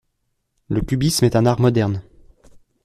Le cubisme est un art moderne.